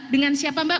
dengan siapa mbak